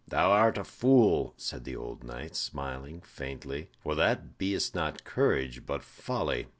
"Thou art a fool!" said the old knight, smiling faintly, "for that be'st not courage, but folly.